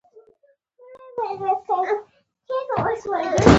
ظلم د پاچاهۍ دښمن دی